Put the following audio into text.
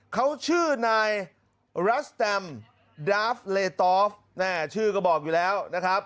เขาชื่อนายรัสแตมดาฟเลตอฟชื่อก็บอกอยู่แล้วนะครับ